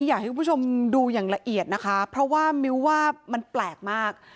อยากให้คุณผู้ชมดูอย่างละเอียดนะคะเพราะว่ามิ้วว่ามันแปลกมาก